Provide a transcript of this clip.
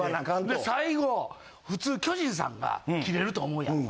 で最後普通巨人さんがキレると思うやん？